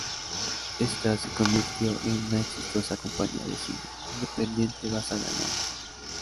Ésta se convirtió en una exitosa compañía de cine independiente basada en Londres.